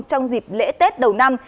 trong dịp lễ tết đầu năm